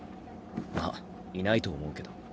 まっいないと思うけど。